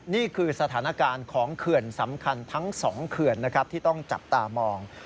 นี่คือสถานการณ์ของเขื่อนสำคัญทั้ง๒เขื่อนนะครับที่ต้องจับตามอง